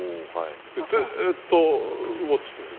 ずっとウオッチするんです。